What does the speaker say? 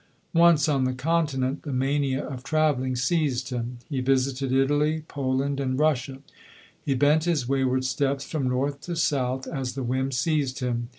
Once on the continent, the mania of tra velling seized him. He visited Italy, Poland, and Russia : he bent his wayward steps from north to south, as the whim seized him.